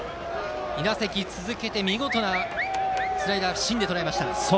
２打席続けて見事スライダーを芯でとらえた。